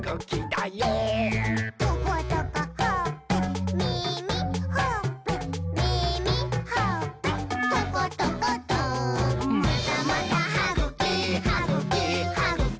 「トコトコほっぺ」「みみ」「ほっぺ」「みみ」「ほっぺ」「トコトコト」「またまたはぐき！はぐき！はぐき！